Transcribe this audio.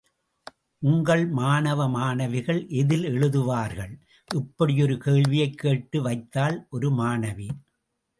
உங்கள் மாணவ மாணவிகள் எதில் எழுதுவார்கள்? இப்படியொரு கேள்வியைக் கேட்டு வைத்தாள், ஒரு மாணவி.